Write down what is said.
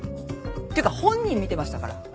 ってか本人見てましたから。